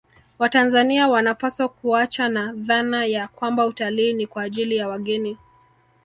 Watanzania wanapaswa kuachana na dhana ya kwamba utalii ni kwa ajili ya wageni